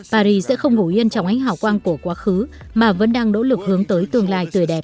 paris sẽ không ngủ yên trong ánh hảo quang của quá khứ mà vẫn đang nỗ lực hướng tới tương lai tươi đẹp